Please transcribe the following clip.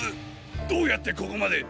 どうやってここまで！？